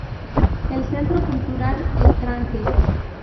El centro cultural El Tranque.